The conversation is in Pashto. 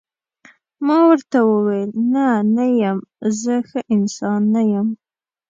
ما ورته وویل: نه، نه یم، زه ښه انسان نه یم.